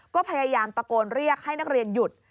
ก็พยายามตะโกนเรียกให้นักเรียนหยุด